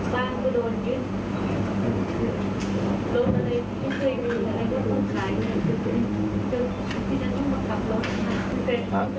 แต่ต้องก็เป็นต้องรับผิดชอบที่มอง